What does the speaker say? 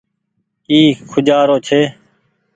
اي کوجآرو ڇي۔